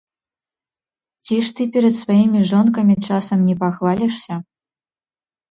Ці ж ты перад сваімі жонкамі часам не пахвалішся?